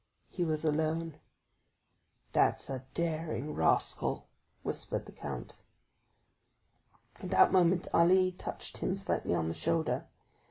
He was alone. "That's a daring rascal," whispered the count. At that moment Ali touched him slightly on the shoulder.